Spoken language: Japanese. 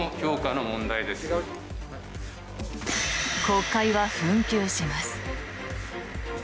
国会は紛糾します。